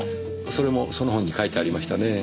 それもその本に書いてありましたね。